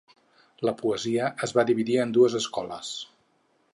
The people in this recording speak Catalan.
La poesia es va dividir en dues escoles.